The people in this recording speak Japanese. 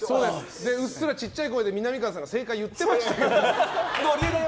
うっすらちっちゃい声でみなみかわさんが正解を言っていました。